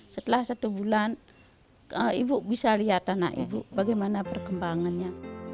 setelah satu bulan ibu bisa lihat anak ibu bagaimana perkembangannya